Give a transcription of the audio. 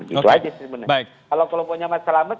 kalau kelompoknya mas selamet